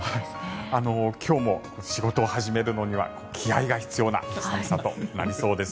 今日も仕事を始めるのには気合が必要となりそうです。